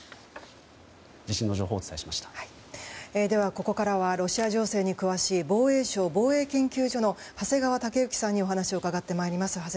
では、ここからはロシア情勢に詳しい防衛省防衛研究所の長谷川雄之さんにお話を伺ってまいります。